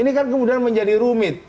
ini kan kemudian menjadi rumit